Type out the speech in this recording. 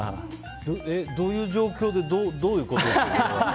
どういう状況でどういうことですか？